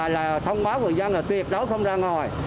là thông báo người dân là tuyệt đối không ra ngoài